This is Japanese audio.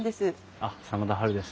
あっ真田ハルです。